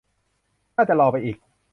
น่าจะรอไปอีก